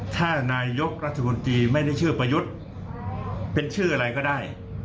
ถ้านายกรัฐมนตรีไม่ได้ชื่อประยุทธ์เป็นชื่ออะไรก็ได้